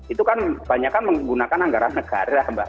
itu kan banyak kan menggunakan anggaran negara mbak